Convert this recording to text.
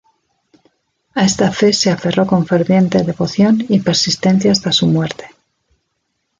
A esta fe se aferró con ferviente devoción y persistencia hasta su muerte.